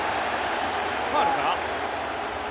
ファウルか？